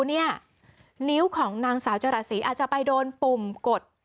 นิ้วของนางสาวจราศีอาจจะไปโดนปุ่มกด